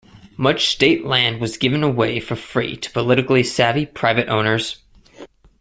Much State land was given away for free to politically savvy private owners.